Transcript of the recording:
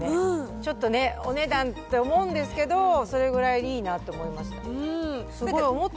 ちょっとね、お値段って思うんですけど、それぐらいいいなって思いました。